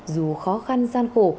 dù khó khăn gian khổ